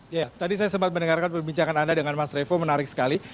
ya tadi saya sempat mendengarkan perbincangan anda dengan mas revo menarik sekali